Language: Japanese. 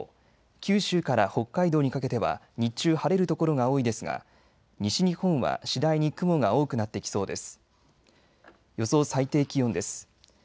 九州から北海道にかけては日中晴れる所が多いですが西日本は次第に雲が多くなってきそうです。